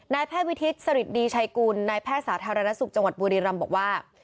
แพทย์วิทิศสริตดีชัยกุลนายแพทย์สาธารณสุขจังหวัดบุรีรำบอกว่า